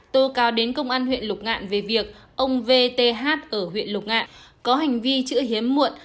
tô cao đến công an huyện lục ngạn về việc ông vth ở huyện lục ngạ có hành vi chữ hiếm muộn